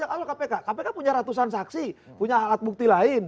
kalau kpk kpk punya ratusan saksi punya alat bukti lain